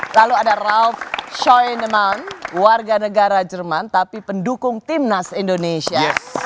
lalu ada ralf scheunemann warga negara jerman tapi pendukung timnas indonesia